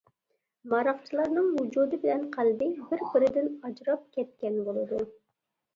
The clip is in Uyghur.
-ماراقچىلارنىڭ ۋۇجۇدى بىلەن قەلبى بىر-بىرىدىن ئاجراپ كەتكەن بولىدۇ.